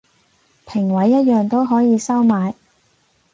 評委一樣都可以收買